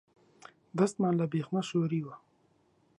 دەستمان لە بێخمە شۆریوە